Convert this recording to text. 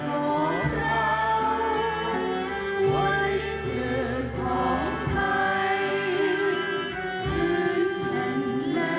ขอรับไว้เธอของใคร